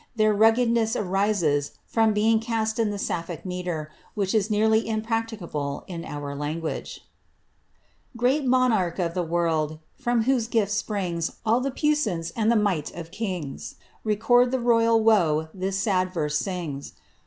Their niggedness arisa from being cast in the Sapphic metre, which is nearly impracticable ■ our language :—*^ Great monarch of the world, from whose gift springs All the puissance and tlie might of kings. Record the royal woe this sad verse sings.